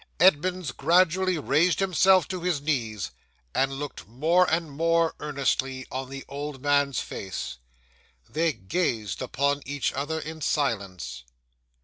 Edmunds gradually raised himself to his knees, and looked more and more earnestly on the old man's face. They gazed upon each other in silence.